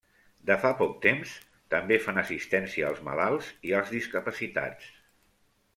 De fa poc temps, també fan assistència als malalts i als discapacitats.